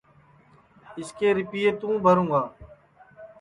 اِس کے رِیپئے توں بھروں گا